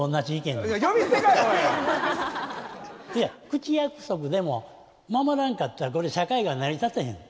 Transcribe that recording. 口約束でも守らんかったらこれ社会が成り立てへん。